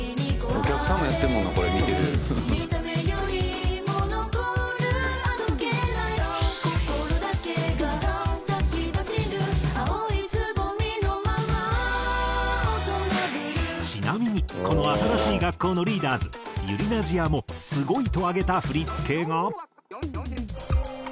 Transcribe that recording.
「お客さんもやってるもんなこれ見てる」「見た目よりも残るあどけない」「Ａｈ心だけがＡｈ先走る」「青い蕾のまま大人振る」ちなみにこの新しい学校のリーダーズｙｕｒｉｎａｓｉａもすごいと挙げた振付が。